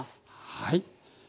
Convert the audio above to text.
はい。